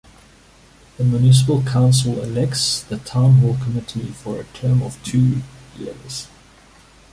The municipal council elects the town hall committee for a term of two years.